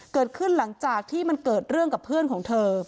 เกิดขึ้นหลังจากที่มันเกิดเรื่องกับเพื่อนของเธอ